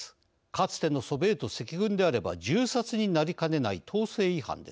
かつてのソビエト赤軍であれば銃殺になりかねない統制違反です。